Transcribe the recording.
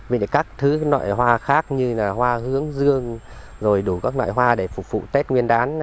vì các thứ loại hoa khác như là hoa hướng dương rồi đủ các loại hoa để phục vụ tết nguyên đán